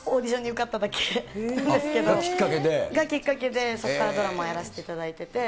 きっかけで？がきっかけで、そこからドラマやらせていただいてて。